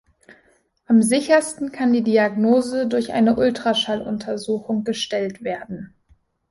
Am sichersten kann die Diagnose durch eine Ultraschalluntersuchung gestellt werden.